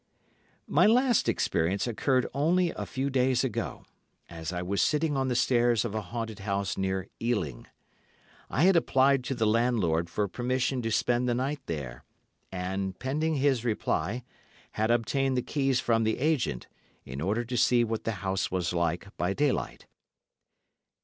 My last experience occurred only a few days ago, as I was sitting on the stairs of a haunted house near Ealing. I had applied to the landlord for permission to spend the night there, and, pending his reply, had obtained the keys from the agent, in order to see what the house was like by daylight.